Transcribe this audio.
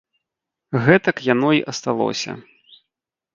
Гэтак яно й асталося.